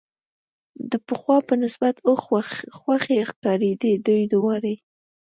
د پخوا په نسبت اوس خوښې ښکارېدې، دوی دواړې.